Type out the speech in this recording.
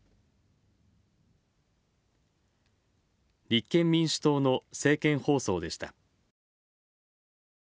立憲民主党の政見放送でした。